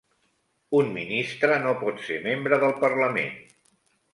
Un ministre no pot ser membre del parlament.